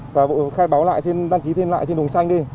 và khai báo lại thêm đăng ký thêm lại trên đường xanh đi